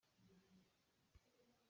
Mawṭaw kaa tteih.